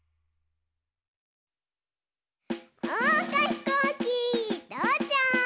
おうかひこうきとうちゃく！